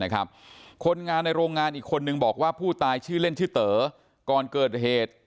คนงานในโรงงานอีกคนนึงบอกว่าผู้ตายชื่อเล่นชื่อเต๋อก่อนเกิดเหตุ